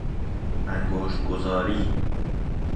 انگشت گذاری